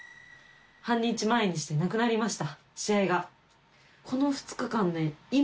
半日前にしてなくなりました試合が。